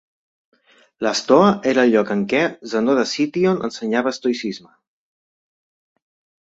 La Stoa era el lloc en què Zenó de Cítion ensenyava estoïcisme.